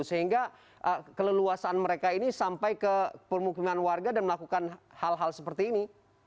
sehingga keleluasan mereka ini sampai ke permukiman warga dan melakukan hal hal seperti ini